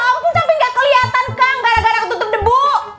walaupun sampai nggak kelihatan kang gara gara ketutup debu